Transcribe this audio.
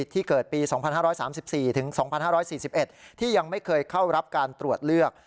ที่เกิดปี๒๕๓๔ถึง๒๕๔๑ที่ยังไม่เคยเข้ารับการตรวจเลือก